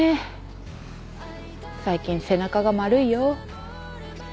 最近背中が丸いよ。